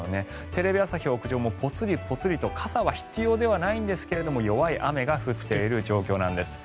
テレビ朝日屋上もポツリポツリと傘は必要ではないんですが弱い雨が降っている状況です。